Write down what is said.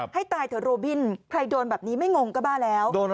ให้ตายเถอะโรบินใครโดนแบบนี้ไม่งงก็บ้าแล้ว